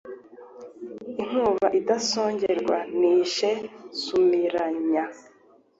Inkuba idasongerwa nishe Sumiranya.